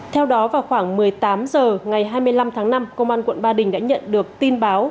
theo đó vào khoảng một mươi tám h ngày hai mươi năm tháng năm công an quận ba đình đã nhận được tin báo